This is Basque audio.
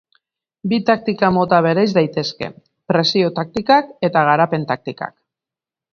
Bi taktika mota bereiz daitezke: presio taktikak eta garapen taktikak.